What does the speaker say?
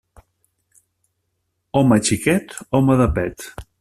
Home xiquet, home de pet.